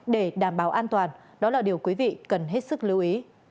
để đảm bảo an toàn đó là điều quý vị cần hết sức lưu ý